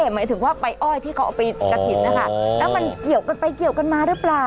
หมายถึงว่าไปอ้อยที่เขาเอาไปกระถิ่นนะคะแล้วมันเกี่ยวกันไปเกี่ยวกันมาหรือเปล่า